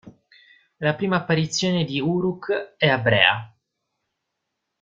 La prima apparizione di un Uruk è a Brea.